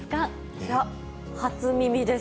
いや、初耳です。